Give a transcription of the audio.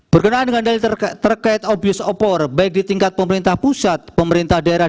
berkenaan dengan dalil terkait abuse of power baik di tingkat pemerintah pusat pemerintah daerah